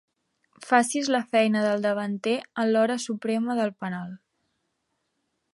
Facis la feina del davanter en l'hora suprema del penal.